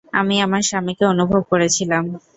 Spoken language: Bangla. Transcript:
আমি আমার স্বামীকে অনুভব করেছিলাম।